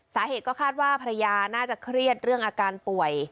สาเหตุก็คาดว่าภรรยาน่าจะเครียดเรื่องอาการป่วย